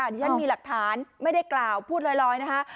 ดิฉันมีหลักฐานไม่ได้กล่าวพูดลอยนะคะ